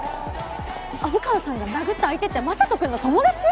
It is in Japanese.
虻川さんが殴った相手って眞人君の友達？